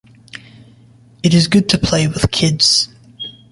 It is good to play with kids.